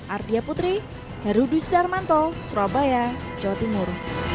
ardia putri herudis darmanto surabaya jawa timur